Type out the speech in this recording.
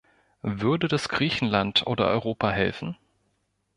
Würde das Griechenland oder Europa helfen?